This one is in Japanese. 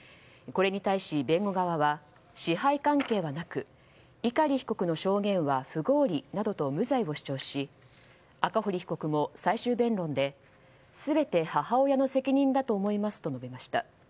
これに対し、弁護側は支配関係はなく碇被告の証言は不合理などと無罪を主張し、赤堀被告も最終弁論で全て母親の責任だと思いますと述べました。